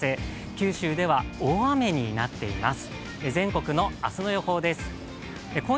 九州では大雨になっています。